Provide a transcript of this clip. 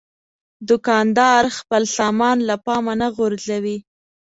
دوکاندار خپل سامان له پامه نه غورځوي.